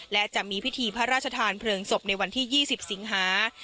และจะมีพิธีพระราชทานเพลิงศพในวันที่๒๐สิงหา